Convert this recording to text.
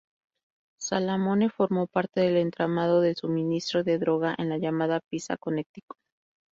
Salamone formó parte del entramado de suministro de droga en la llamada Pizza Connection.